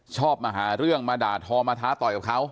ชอบมาหาเรื่องมาด่าทอมาท้าต่อยกับเขา